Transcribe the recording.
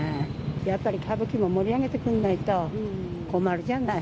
やっぱり歌舞伎も盛り上げてくんないと、困るじゃない。